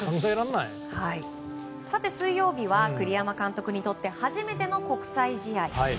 水曜日は栗山監督にとって初めての国際試合。